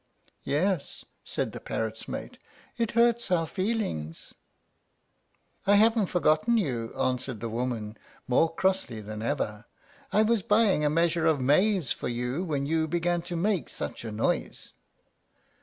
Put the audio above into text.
"Yes," said the parrot's mate, "it hurts our feelings." "I haven't forgotten you," answered the woman, more crossly than ever; "I was buying a measure of maize for you when you began to make such a noise."